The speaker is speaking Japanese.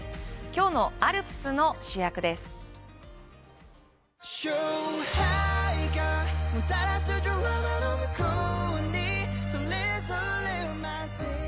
きょうのアルプスの主役です。